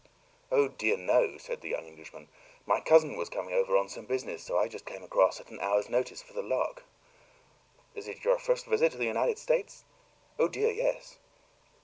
"Oh, dear, no," said the young Englishman; "my cousin was coming over on some business, so I just came across, at an hour's notice, for the lark." "Is it your first visit to the United States?" "Oh, dear, yes."